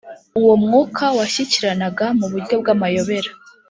uwo mwuka washyikiranaga mu buryo bw’amayobera